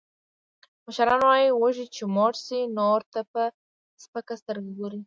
مشران وایي: وږی چې موړ شي، نورو ته په سپکه سترګه ګوري.